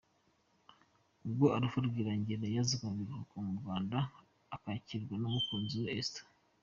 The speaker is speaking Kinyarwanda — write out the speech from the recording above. Ubwo Alpha Rwirangira yazaga mu biruhuko mu Rwanda akakirwa n'umukunzi we Esther.